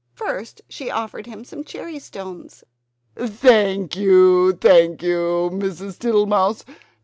First she offered him cherry stones. "Thank you, thank you, Mrs. Tittlemouse!